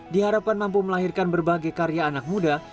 diharapkan mampu melahirkan berbagai karya anak muda